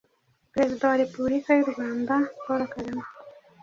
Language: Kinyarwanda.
Perezida wa Repubulika y’u Rwanda Paul Kagame